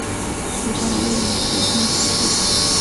喜欢的艺人是滨崎步。